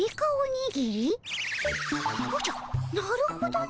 おじゃなるほどの。